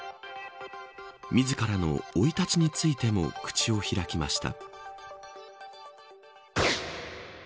自らの生い立ちについても口を開きました。